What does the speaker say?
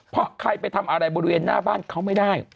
เพราะใครไปทำอะไรบริเวณหน้าบ้านเขาไม่ได้